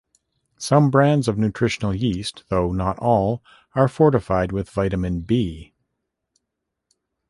Some brands of nutritional yeast, though not all, are fortified with vitamin B.